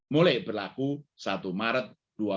mulai berlaku satu maret dua ribu dua puluh